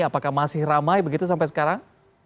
apakah masih ramai begitu sampai sekarang